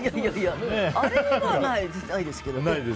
あれはないですけど。